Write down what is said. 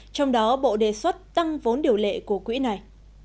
trong đó bộ đề xuất tăng vốn điều lệ của quỹ này